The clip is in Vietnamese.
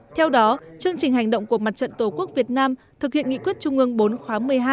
theo đó chương trình hành động của mặt trận tổ quốc việt nam thực hiện nghị quyết trung ương bốn khóa một mươi hai